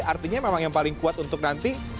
artinya memang yang paling kuat untuk nanti